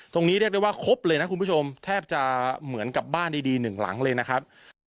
เรียกได้ว่าครบเลยนะคุณผู้ชมแทบจะเหมือนกับบ้านดีหนึ่งหลังเลยนะครับ